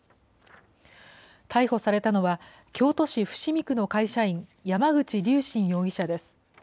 逮捕されたのは、京都市伏見区の会社員、山口龍真容疑者です。